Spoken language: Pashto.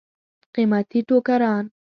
قیمتي ټوکران.